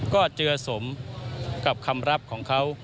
ก็เจือสมกับคำรับของเขา